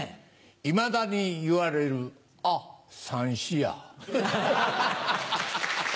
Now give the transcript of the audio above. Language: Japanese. いまだに言われる「あっ三枝や」。